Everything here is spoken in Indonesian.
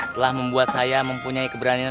telah membuat saya mempunyai keberanian